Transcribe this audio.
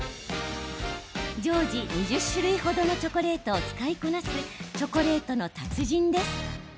常時２０種類程のチョコレートを使いこなすチョコレートの達人です。